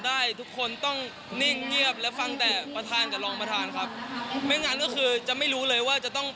ได้ทุกคนต้องนิ่งเงียบและฟังแต่ประธานกับรองประธานครับไม่งั้นก็คือจะไม่รู้เลยว่าจะต้อง